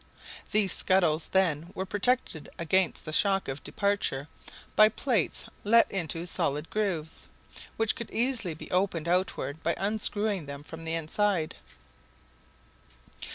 These scuttles then were protected against the shock of departure by plates let into solid grooves, which could easily be opened outward by unscrewing them from the inside.